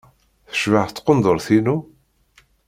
Tecbeḥ tqendurt-inu?